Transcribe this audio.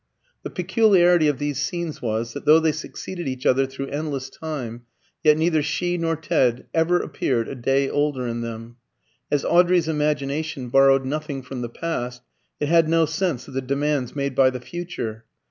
The peculiarity of these scenes was, that though they succeeded each other through endless time, yet neither she nor Ted ever appeared a day older in them. As Audrey's imagination borrowed nothing from the past, it had no sense of the demands made by the future.